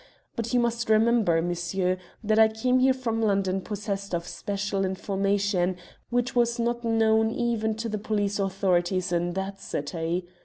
But you must remember, monsieur, that I came here from London possessed of special information which was not known even to the police authorities in that city.